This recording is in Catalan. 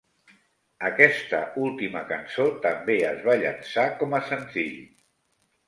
Aquesta última cançó també es va llançar com a senzill.